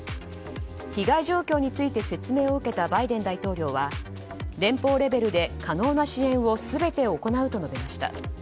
被害状況について説明を受けたバイデン大統領は連邦レベルで可能な支援を全て行うと述べました。